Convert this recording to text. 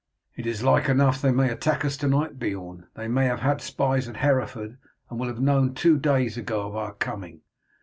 "It is like enough they may attack us to night, Beorn. They may have had spies at Hereford, and will have known two days ago of our coming.